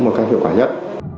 là cái hiệu quả nhất